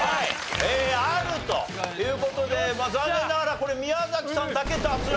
あるという事で残念ながらこれ宮崎さんだけ脱落と。